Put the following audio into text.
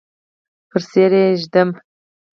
پر څیره یې ږدم